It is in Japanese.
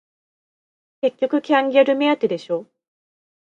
結局キャンギャル目当てでしょ